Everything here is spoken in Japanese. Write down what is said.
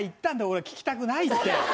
俺は聞きたくないって。